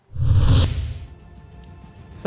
terus kita namanya demokrasi ya